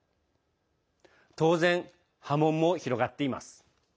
当然、波紋も広がっています。